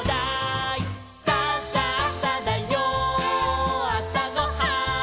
「さあさあさだよあさごはん」